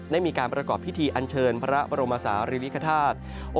ได้มีการประกอบพิธีอันเชิญพระบรมศาลิริคฐาตุ